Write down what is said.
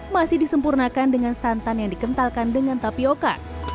masih disempurnakan dengan santan yang dikentalkan dengan tapioca